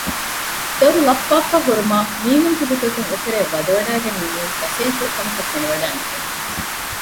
ދޮރުލައްޕާފައި ހުރުމާ މީހުންތިބިގޮތުން އެތެރެޔަށް ވެދެވަޑައިގެންނެވުން ފަސޭހަފުޅުކަމަކަށް ފެނިވަޑައެއް ނުގެނެވި